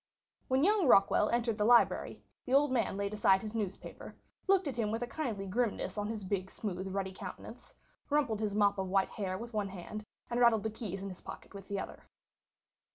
When young Rockwall entered the library the old man laid aside his newspaper, looked at him with a kindly grimness on his big, smooth, ruddy countenance, rumpled his mop of white hair with one hand and rattled the keys in his pocket with the other.